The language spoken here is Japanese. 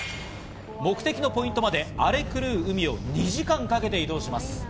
目的のポイントまで荒れ狂う海を２時間かけて移動します。